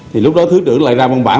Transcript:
thì lúc đó thứ trưởng lại ra văn bản